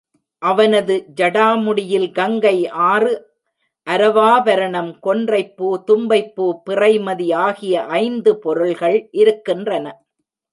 அவனது ஜடா முடியில் கங்கை ஆறு, அரவாபரணம், கொன்றைப்பூ, தும்பைப்பூ, பிறைமதி ஆகிய ஐந்து பொருள்கள் இருக்கின்றன.